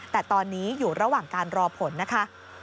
แต่ตอนนี้อยู่ระหว่างการรอผลนะคะ